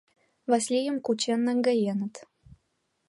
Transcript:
Васлийым кучен наҥгаеныт.